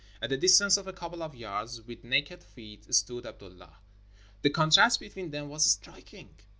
At the distance of a couple of yards, with naked feet, stood Abdullah. The contrast between them was striking.